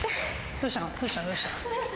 どうした？